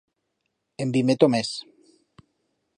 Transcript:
En bi meto mes.